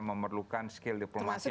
memerlukan skill diplomat yang luar biasa